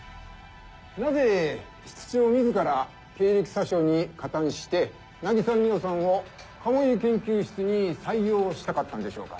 なぜ室長自ら経歴詐称に加担して渚海音さんを鴨居研究室に採用したかったんでしょうか？